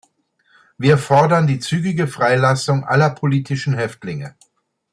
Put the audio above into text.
Wir fordern die zügige Freilassung aller politischen Häftlinge.